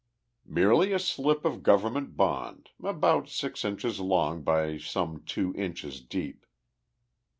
"Merely a slip of government bond, about six inches long by some two inches deep."